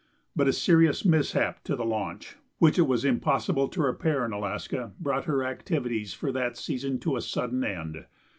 But a serious mishap to the launch, which it was impossible to repair in Alaska, brought her activities for that season to a sudden end.